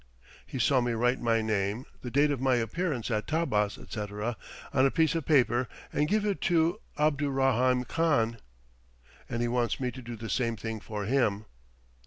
He saw me write my name, the date of my appearance at Tabbas, etc., on a piece of paper and give it to Abdurraheim Khan, and he wants me to do the same thing for him.